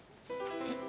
えっ。